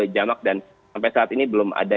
jamak dan sampai saat ini belum ada